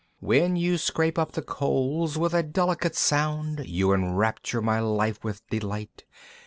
"When you scrape up the coals with a delicate sound, "You enrapture my life with delight!